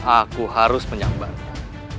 aku harus menyambarnya